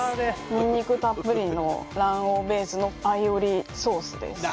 にんにくたっぷりの卵黄ベースのアイオリソースです